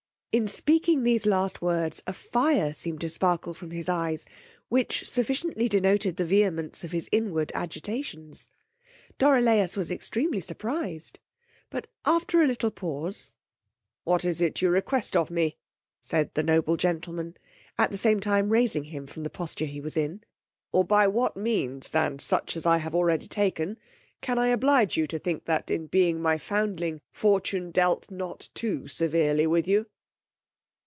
In speaking these last words a fire seemed to sparkle from his eyes, which sufficiently denoted the vehemence of his inward agitations. Dorilaus was extremely surprized, but after a little pause, what is it you request of me? said that noble gentleman, (at the same time raising him from the posture he was in) or by what means than such as I have already taken, can I oblige you to think that, in being my foundling, fortune dealt not too severely with you?